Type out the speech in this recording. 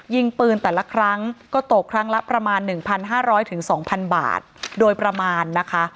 ยิงปืนแต่ละครั้งก็ตกครั้งละประมาณ๑๕๐๐๒๐๐บาทโดยประมาณนะคะ